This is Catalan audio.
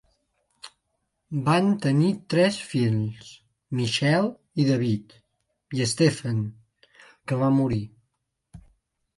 Van tenir tres fills: Michelle i David, i Stephen, que va morir.